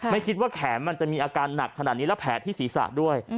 ไม่คิดว่าแขนมันจะมีอาการหนักขนาดนี้และแผลที่ศีรษะด้วย